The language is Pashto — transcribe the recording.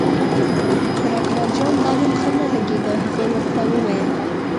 پر اکبرجان دا نوم ښه نه لګېده، هغه ورته وویل.